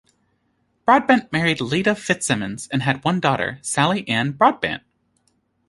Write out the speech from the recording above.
Broadbent married Leda Fitzimmons and had one daughter, Sally Ann Broadbent.